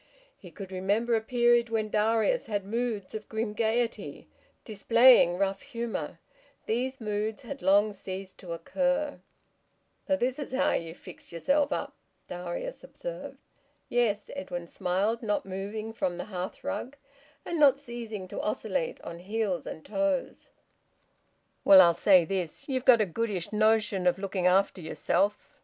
He could remember a period when Darius had moods of grim gaiety, displaying rough humour; these moods had long ceased to occur. "So this is how ye've fixed yerself up!" Darius observed. "Yes," Edwin smiled, not moving from the hearthrug, and not ceasing to oscillate on heels and toes. "Well, I'll say this. Ye've got a goodish notion of looking after yerself.